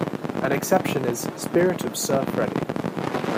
An exception is "Spirit of Sir Freddie".